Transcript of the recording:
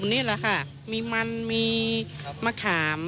ใกล้ใกล้นี้เลยนะครับว่ามีอะไรบ้างสวัสดีครับคุณป้าครับเอามา